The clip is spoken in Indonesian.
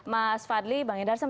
mas fadli bang yedarsam